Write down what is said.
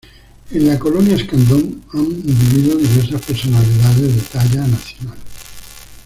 En la Colonia Escandón han vivido diversas personalidades de talla nacional.